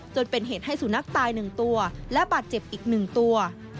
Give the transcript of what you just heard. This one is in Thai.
จนเป็นเหตุให้สุนัขตาย๑ตัวและบาดเจ็บอีก๑ตัว